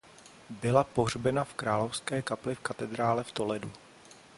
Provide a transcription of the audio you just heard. Byla pohřbena v královské kapli v katedrále v Toledu.